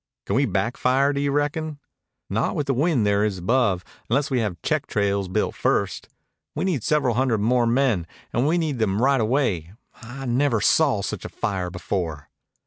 "Can we back fire, do you reckon?" "Not with the wind there is above, unless we have check trails built first. We need several hundred more men, and we need them right away. I never saw such a fire before."